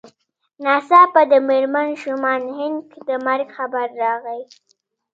ناڅاپه د مېرمن شومان هينک د مرګ خبر راغی.